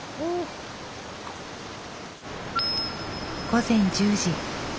午前１０時。